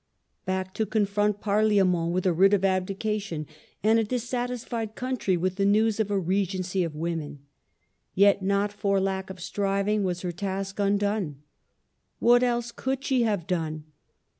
'* back to confront Parliament with a writ of abdi cation, and a dissatisfied country with the news of a Regency of women. Yet not for lack of striving was her task undone. What else could she have done?